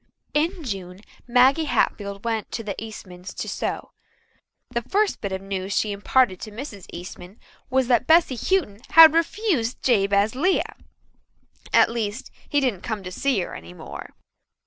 In June Maggie Hatfield went to the Eastmans' to sew. The first bit of news she imparted to Mrs. Eastman was that Bessy Houghton had refused Jabez Lea at least, he didn't come to see her any more.